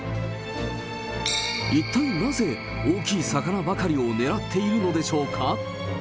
一体なぜ、大きい魚ばかりを狙っているのでしょうか。